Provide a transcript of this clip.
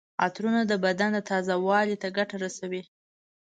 عطرونه د بدن تازه والي ته ګټه رسوي.